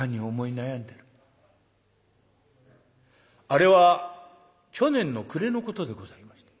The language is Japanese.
「あれは去年の暮れのことでございました」。